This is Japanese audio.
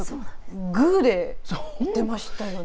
グーでいってましたよね。